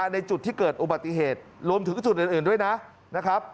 ในจุดที่เกิดอุบัติเหตุรวมถึงจุดอื่นด้วยนะครับ